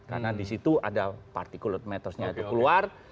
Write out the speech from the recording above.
karena di situ ada particulate matternya itu keluar